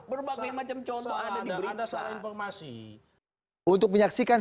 berbagai macam contoh ada diberikan